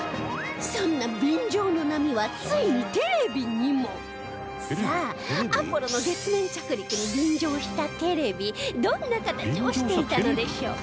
そんな便乗の波はついにテレビにもさあ、アポロの月面着陸に便乗したテレビどんな形をしていたのでしょう？